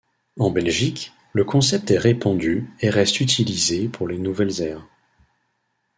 En Belgique, le concept est répandu et reste utilisé pour les nouvelles aires.